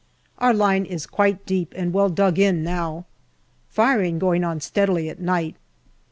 Our line is quite deep and well dug in now. Firing going on steadily at night.